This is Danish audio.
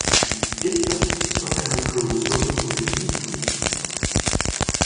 »»er man en Digter, saa kan man koge Suppe paa en Pølsepind.